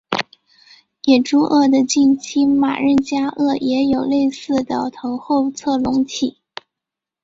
野猪鳄的近亲马任加鳄也有类似的头后侧隆起。